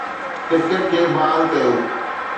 cricket کي بحال ڪيو